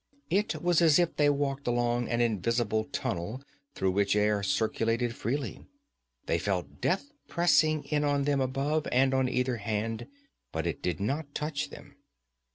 It was as if they walked along an invisible tunnel through which air circulated freely. They felt death pressing in on them above and on either hand, but it did not touch them.